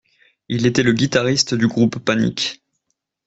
Il était le guitariste du groupe Panic!